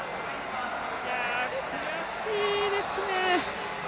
悔しいですね。